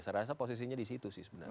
saya rasa posisinya di situ sih sebenarnya